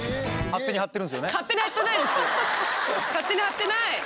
勝手に貼ってない！